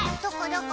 どこ？